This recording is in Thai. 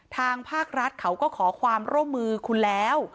ทางภาครัฐเขาก็ขอความร่วมมือคุณแล้ว